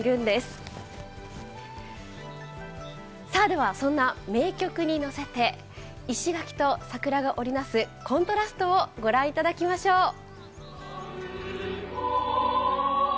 ではそんな名曲に乗せて石垣と桜が織りなすコントラストを御覧いただきましょう。